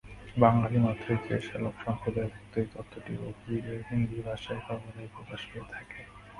বাঙালি মাত্রই যে শ্যালকসম্প্রদায়ভুক্ত এই তত্ত্বটি রঘুবীরের হিন্দিভাষায় সর্বদাই প্রকাশ পেয়ে থাকে।